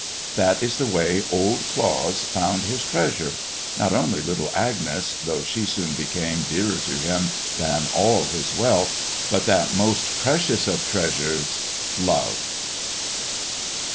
That is the way Old Claus found his treasure; not only little Agnes, though she soon became dearer to him than all his wealth, but that most precious of treasures, Love.